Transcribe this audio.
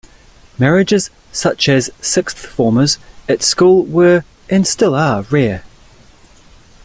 Marriages such as sixth-formers at school were and still are rare.